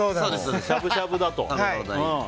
しゃぶしゃぶだと。